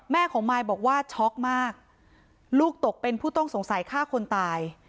แม่ของมายบอกว่าช็อกมากลูกตกเป็นผู้ต้องสงสัยฆ่าคนตาย